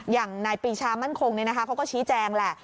อย่างในปีชามั่นคงนี่นะคะเขาก็ชี้แจงแหละ